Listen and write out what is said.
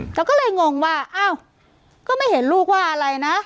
เราก็เลยงงว่าอ้าวก็ไม่เห็นลูกว่าอะไรนะ